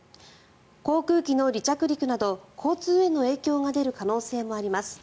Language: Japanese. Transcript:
航空機の離着陸などの交通への影響が出る可能性もあります。